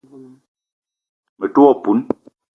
Me te wo peum.